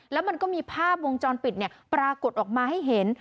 แล้วมันก็มีภาพวงจรปิดปรากฏออกมาให้เห็น